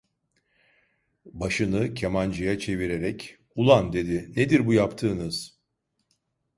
Başını kemancıya çevirerek: "Ulan!" dedi, "Nedir bu yaptığınız?"…